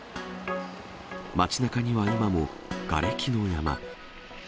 町なかには今もがれきの山。